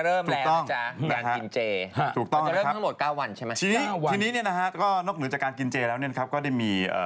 เพราะเป็นคนไม่กินเนื้อสัตว์อยู่แล้วไง